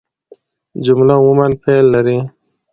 جمله عموماً فعل لري.